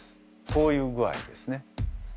こういう具合ですね。